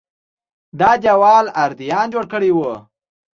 دا دېوال ادریان جوړ کړی و